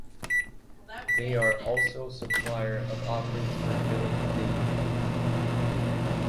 They are also supplier of offerings for village deity.